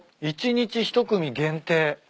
「１日１組限定」